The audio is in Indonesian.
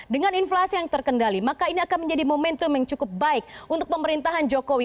dengan inflasi yang terkendali maka ini akan menjadi momentum yang cukup baik untuk pemerintahan jokowi